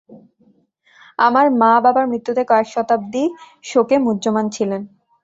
আমার মা বাবার মৃত্যুতে কয়েক শতাব্দী শোকে মুহ্যমান ছিলেন!